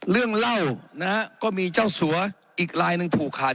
เรื่องเหล้านะครับก็มีเจ้าสัวรายหนึ่งผูกขาด